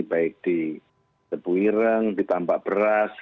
baik di tepu hireng di tampak beras